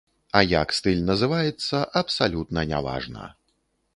А як стыль называецца, абсалютна не важна.